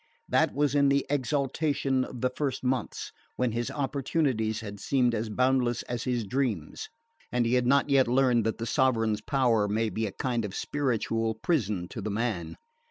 That was in the exaltation of the first months, when his opportunities had seemed as boundless as his dreams, and he had not yet learned that the sovereign's power may be a kind of spiritual prison to the man.